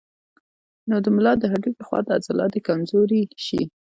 نو د ملا د هډوکي خواته عضلات ئې کمزوري شي